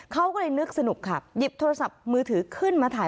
เขาก็เลยนึกสนุกค่ะหยิบโทรศัพท์มือถือขึ้นมาถ่าย